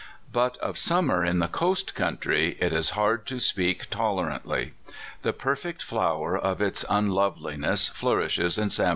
But of summer in the coast country it is hard to speak tolerarjtly. The perfect flower of its unloveliness flourishes in San.